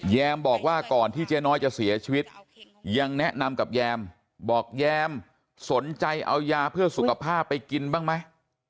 แมมบอกว่าก่อนที่เจ๊น้อยจะเสียชีวิตยังแนะนำกับแยมบอกแยมสนใจเอายาเพื่อสุขภาพไปกินบ้างไหม